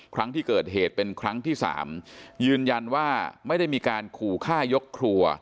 ครั้งที่เกิดเหตุเป็นครั้งที่สามยืนยันว่าไม่ได้มีการขู่ฆ่ายกครัว